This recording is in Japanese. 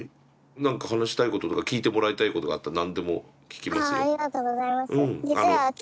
何か話したいこととか聞いてもらいたいことがあったら何でも聞きますよ。